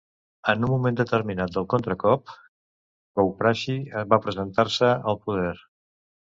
En un moment determinat del contracop, Kouprasith va presentar-se al poder.